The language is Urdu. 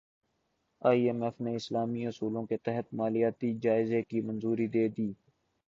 ائی ایم ایف نے اسلامی اصولوں کے تحت مالیاتی جائزے کی منظوری دے دی